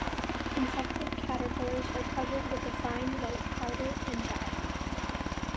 Infected caterpillars are covered with a fine white powder and die.